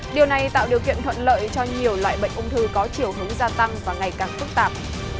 điều này tạo điều kiện thuận lợi cho nhiều loại bệnh ung thư có chiều hướng gia tăng và ngày càng phức tạp